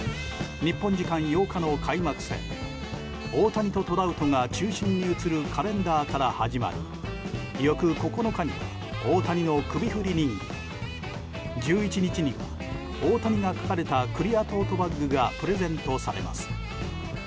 日本時間８日の開幕戦大谷とトラウトが中心に写るカレンダーから始まり翌９日には大谷の首振り人形１１日には、大谷が描かれたクリアトートバッグがプレゼントされます。